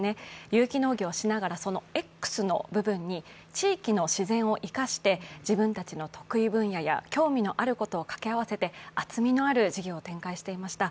有機農業をしながら、そのＸの部分に地域の自然を生かして自分たちの得意分野や興味のあることを掛け合わせて、厚みのある事業を展開していました。